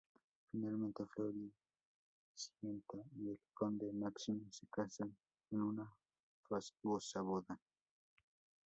Finalmente, Floricienta y el Conde Máximo se casan en una fastuosa boda.